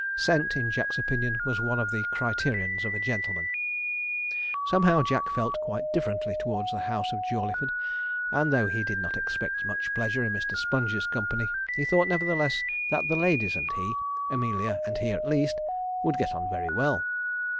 Scent, in Jack's opinion, was one of the criterions of a gentleman. Somehow Jack felt quite differently towards the house of Jawleyford; and though he did not expect much pleasure in Mr. Sponge's company, he thought, nevertheless, that the ladies and he Amelia and he at least would get on very well.